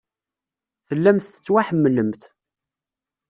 Tellamt tettwaḥemmlemt.